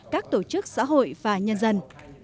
các tổ chức xã hội và nhân dân